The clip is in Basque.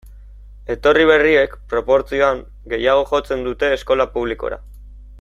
Etorri berriek, proportzioan, gehiago jotzen dute eskola publikora.